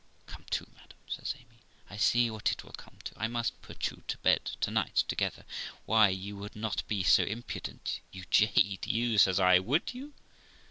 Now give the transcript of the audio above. ' Come to, madam ?' says Amy. ' I see what it will come to; I must put you to bed to night together.' 'Why, you would not be so impudent, you jade, you', says I, 'would you?'